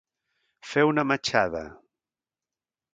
Fer una matxada.